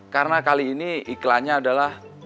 karena kali ini iklannya adalah